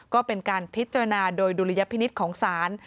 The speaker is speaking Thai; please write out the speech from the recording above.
ก็เป็นการพิจารณาโดยดุลยพินิษฐ์ของศาล